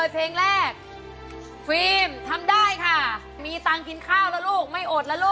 โปรดติดตามต่อไป